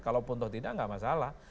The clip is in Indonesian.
kalaupun toh tidak masalah